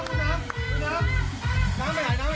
น้ำแดงไหนน้ำแดงไหนยอดยอด